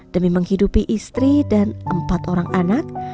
demi menghidupi istri dan empat orang anak